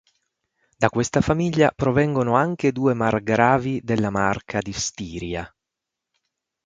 Da questa famiglia provengono anche due margravi della marca di Stiria.